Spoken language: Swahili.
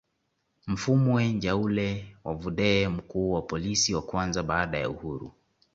Mfumwa Njaule wa Vudee mkuu wa polisi wa kwanza baada ya uhuru